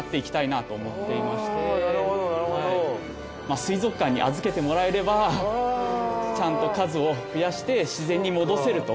水族館に預けてもらえればちゃんと数を増やして自然に戻せると。